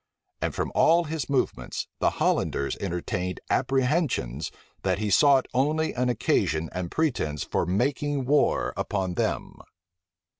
And from all his movements, the Hollanders entertained apprehensions that he sought only an occasion and pretence for making war upon them.